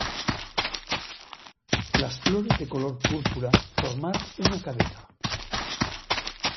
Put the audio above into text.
Las flores de color púrpura formar una cabeza.